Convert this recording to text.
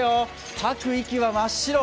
吐く息は真っ白。